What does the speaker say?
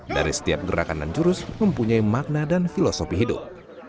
dari setiap gerakan dan jurus mempunyai makna dan filosofi hidup